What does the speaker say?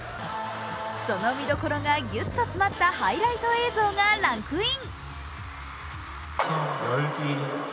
その見どころがぎゅっと詰まったハイライト映像がランクイン。